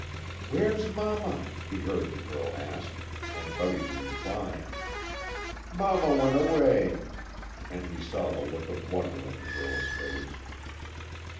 "Where's Mama?" he heard the girl ask, and Buddy's reply: "Mama went away," and he saw the look of wonder on the girl's face.